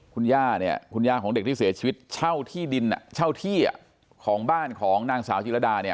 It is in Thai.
คุณย่าของเด็กที่เสียชีวิตเช่าที่ดินเช่าที่ของบ้านของนางสาวจิตรดา